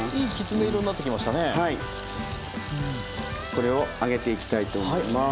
これを上げていきたいと思います。